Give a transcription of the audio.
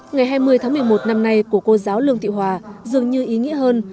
ngày hai mươi tháng một mươi một năm nay của cô giáo lương thị hòa dường như ý nghĩa hơn